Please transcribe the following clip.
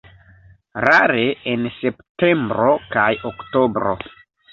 Rare en septembro kaj oktobro.